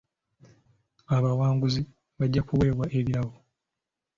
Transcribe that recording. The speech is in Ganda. Abawanguzi bajja kuweebwa ebirabo.